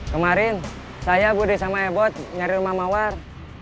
kemarin saya budi sama ebot nyari rumah mawar